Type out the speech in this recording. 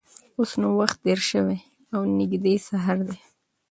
اوس نو وخت تېر شوی او نږدې سهار دی.